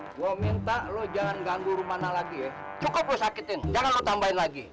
gue minta lo jangan ganggu rumah lagi ya cukup gue sakitin jangan lo tambahin lagi